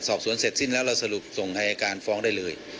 สอบสวนเสร็จสิ้นแล้วเราสรุปส่งอายการฟ้องได้เลย